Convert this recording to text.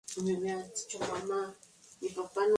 Así que Uds.